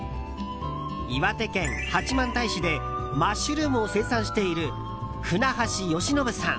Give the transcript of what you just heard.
岩手県八幡平市でマッシュルームを生産している船橋慶延さん。